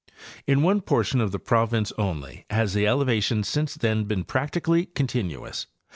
93 In one portion of the province only has the elevation since then been practically continuous.